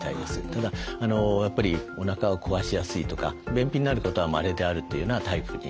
ただやっぱりおなかを壊しやすいとか便秘になることはまれであるというようなタイプになると思います。